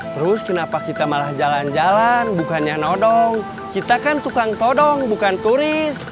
terus kenapa kita malah jalan jalan bukannya nodong kita kan tukang todong bukan turis